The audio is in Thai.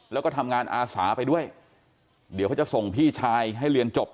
แล้วก็ทำงานอาสาไปด้วยเดี๋ยวเขาจะส่งพี่ชายให้เรียนจบ